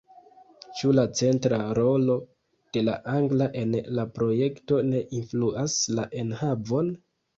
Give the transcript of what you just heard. Ĉu la centra rolo de la angla en la projekto ne influas la enhavon?